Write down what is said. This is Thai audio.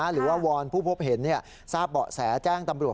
หรือว่าวอนผู้พบเห็นทราบเบาะแสแจ้งตำรวจ